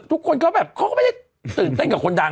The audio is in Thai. ทุกคนเขาแบบเขาก็ไม่ได้ตื่นเต้นกับคนดัง